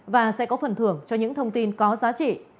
và sẽ có phần thưởng cho những thông tin có giá trị